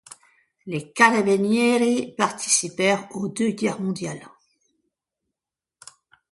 Les Carabinieri participèrent aux deux guerres mondiales.